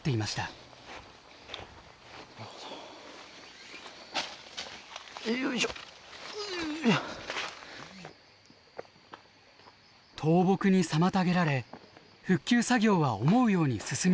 倒木に妨げられ復旧作業は思うように進みません。